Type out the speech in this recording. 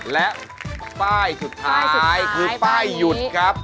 และป้ายสุดท้ายคือป้ายหยุดครับ